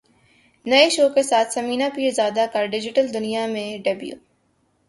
نئے شو کے ساتھ ثمینہ پیرزادہ کا ڈیجیٹل دنیا میں ڈیبیو